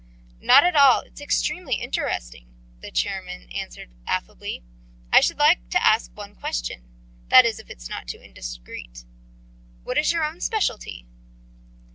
"Not at all. It's extremely interesting," the chairman answered affably. "I should like to ask one question that is if it is not too indiscreet what is your own specialty?"